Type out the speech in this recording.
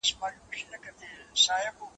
تا هم لوښی د روغن دی چپه کړی؟